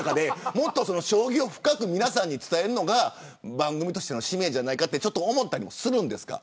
もっと将棋を深く皆さんに伝えるのが番組としての使命じゃないかと思ったりもするんですか。